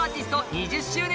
２０周年